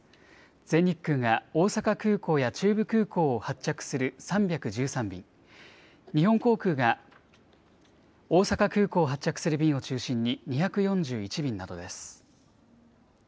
全日空が大阪空港や中部空港を発着する３１３便、日本航空が大阪空港を発着する便を中心に２４１便などです。